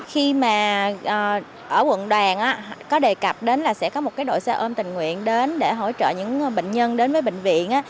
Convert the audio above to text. khi mà ở quận đoàn có đề cập đến là sẽ có một đội xe ôm tình nguyện đến để hỗ trợ những bệnh nhân đến với bệnh viện